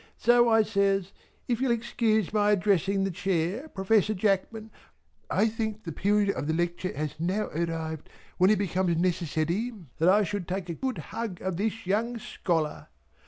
So I says "if you'll excuse my addressing the chair Professor Jackman I think the period of the lecture has now arrived when it becomes necessary that I should take a good hug of this young scholar."